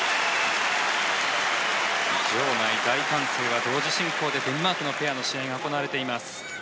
場内、大歓声は同時進行でデンマークのペアの試合が行われています。